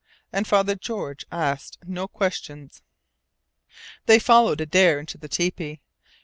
And Father George asked no questions. They followed Adare into the tepee.